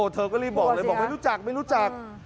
เธอก็รีบบอกเลยบอกไม่รู้จักไม่รู้จัก